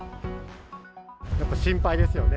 やっぱ心配ですよね。